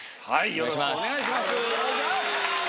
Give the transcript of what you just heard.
よろしくお願いします。